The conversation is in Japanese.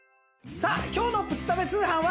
さあ今日の『プチたべ』通販は。